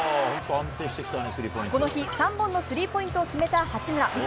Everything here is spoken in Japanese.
この日、３本のスリーポイントを決めた八村。